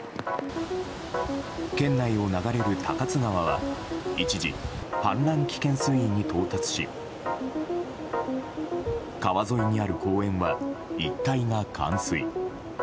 県内を流れる高津川は一時、氾濫危険水位に到達し川沿いにある公園は一帯が冠水。